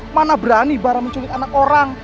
barakallah berani barak menculik anak orang